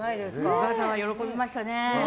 お母さんは喜びましたね。